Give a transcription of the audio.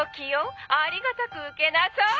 「ありがたく受けなさい！